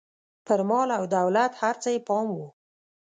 پر مال او دولت هر څه یې پام و.